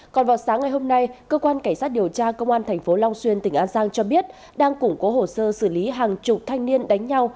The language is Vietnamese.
còn vào sáng ngày hôm nay cơ quan cảnh sát điều tra công an tp long xuyên tỉnh an giang cho biết đang củng cố hồ sơ xử lý hàng chục thanh niên đánh nhau